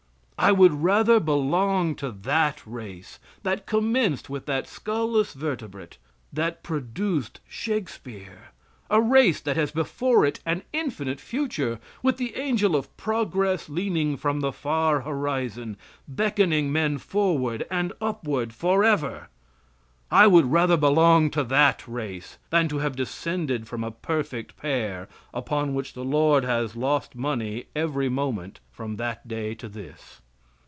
I would rather belong to that race that commenced with that skull less vertebrate; that produced Shakespeare, a race that has before it an infinite future, with the angel of progress leaning from the far horizon, beckoning men forward and upward forever. I would rather belong to that race than to have descended from a perfect pair upon which the Lord has lost money every moment from that day to this.